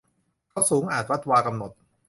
เขาสูงอาจวัดวา กำหนด